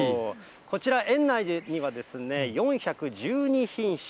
こちら、園内には４１２品種